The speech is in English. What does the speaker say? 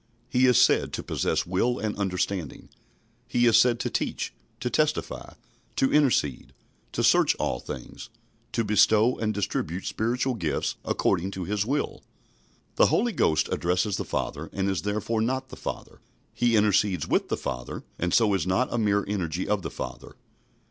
He is said to possess will and understanding. He is said to teach, to testify, to intercede, to search all things, to bestow and distribute spiritual gifts according to His will. The Holy Ghost addresses the Father, and is therefore not the Father. He intercedes with the Father, and so is not a mere energy of the Father.